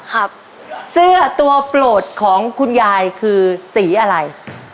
ครับเสื้อตัวโปรดของคุณยายคือสีอะไร